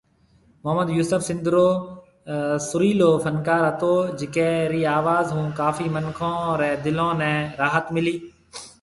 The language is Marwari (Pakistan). محمد يوسف سنڌ رو سريلو فنڪار هتو جڪي رِي آواز هون ڪافي منکون ري دلون ني راحت ملي